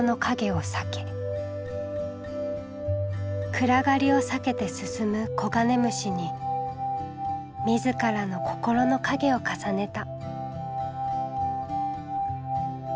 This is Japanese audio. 暗がりを避けて進むコガネムシに自らの心の影を重ねた。